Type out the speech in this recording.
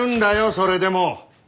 それでも！